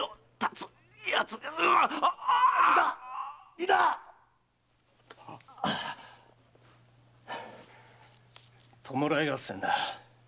井田‼弔い合戦だ。